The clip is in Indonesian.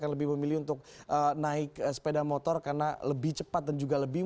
kali diaways kota juga lari ke koin itu